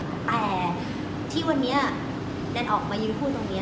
แต่ที่วันนี้ดันออกมายืนพูดตรงนี้